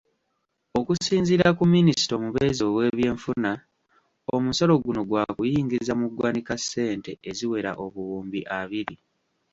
Okusinziira ku Minisita omubeezi ow'ebyenfuna, omusolo guno gwakuyingiza mu ggwanika ssente eziwera obuwumbi abiri.